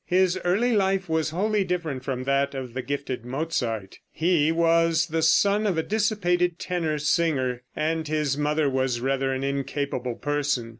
His early life was wholly different from that of the gifted Mozart. He was the son of a dissipated tenor singer, and his mother was rather an incapable person.